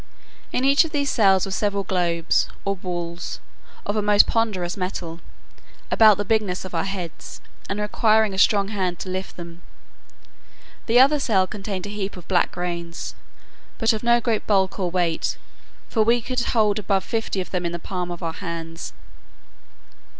In one of these cells were several globes, or balls, of a most ponderous metal, about the bigness of our heads, and requiring a strong hand to lift them: the other cell contained a heap of certain black grains, but of no great bulk or weight, for we could hold above fifty of them in the palms of our hands.